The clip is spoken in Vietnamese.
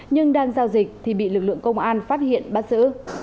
nhưng đang giao dịch thì bị lực lượng công an phát hiện bắt giữ